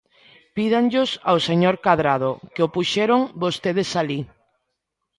Pídanllos ao señor Cadrado, que o puxeron vostedes alí.